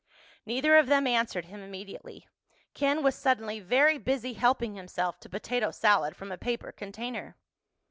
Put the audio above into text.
Neither of them answered him immediately. Ken was suddenly very busy helping himself to potato salad from a paper container.